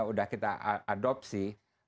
sudah kita adopsi